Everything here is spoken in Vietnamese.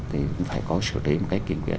thì cũng phải có sửa đến cái